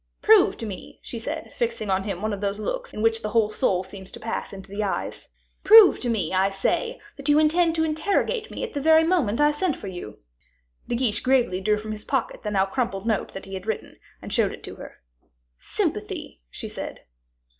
"Prove to me," she said, fixing on him one of those looks in which the whole soul seems to pass into the eyes, "prove to me, I say, that you intended to interrogate me at the very moment I sent for you." De Guiche gravely drew from his pocket the now crumpled note that he had written, and showed it to her. "Sympathy," she said.